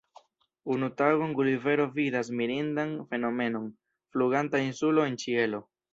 Unu tagon Gulivero vidas mirindan fenomenon: fluganta insulo en ĉielo.